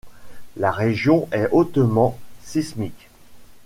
La région est hautement sismique.